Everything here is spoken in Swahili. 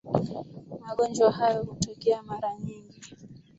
Magonjwa hayo hutokea mara nyingi.